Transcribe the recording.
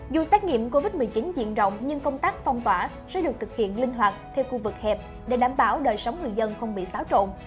dù xét nghiệm covid một mươi chín diện rộng nhưng công tác phong tỏa sẽ được thực hiện linh hoạt theo khu vực hẹp để đảm bảo đời sống người dân không bị xáo trộn